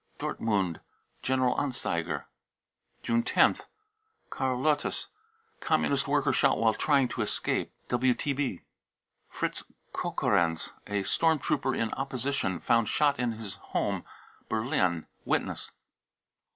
(Dortmund General Anzeiger.) line ioth. karl lottes, Communist worker, shot " while trying to escape." ( WTB .) fritz kokorenz, a storm trooper in opposition, found shot in his home, Berlin. (Witness.)